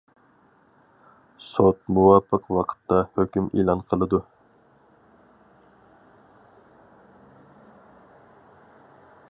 سوت مۇۋاپىق ۋاقىتتا ھۆكۈم ئېلان قىلىدۇ.